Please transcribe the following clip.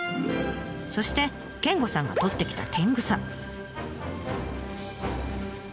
そして健吾さんがとってきたテングサ。